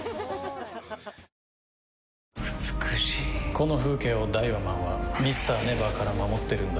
この風景をダイワマンはＭｒ．ＮＥＶＥＲから守ってるんだ。